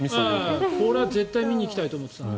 これは絶対に見に行きたいと思ってた。